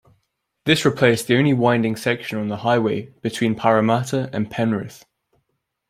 This replaced the only winding section of the Highway between Parramatta and Penrith.